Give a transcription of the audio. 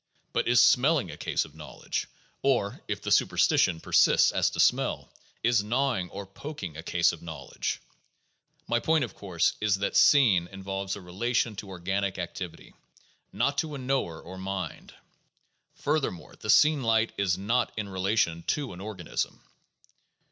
But is smelling a case of knowl edge? Or (if the superstition persists as to smell) is gnawing or poking a case of knowledge ? My point, of course, is that '' seen '' involves a relation to organic activity, not to a knower, or mind. Furthermore, the seen light is not in relation to an organism.